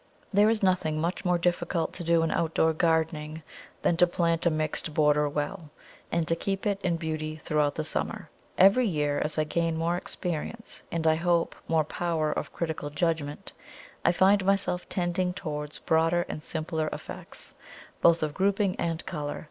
There is nothing much more difficult to do in outdoor gardening than to plant a mixed border well, and to keep it in beauty throughout the summer. Every year, as I gain more experience, and, I hope, more power of critical judgment, I find myself tending towards broader and simpler effects, both of grouping and colour.